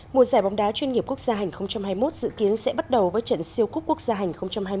mùa giải bóng đá chuyên nghiệp quốc gia hành hai mươi một dự kiến sẽ bắt đầu với trận siêu cúp quốc gia hành hai mươi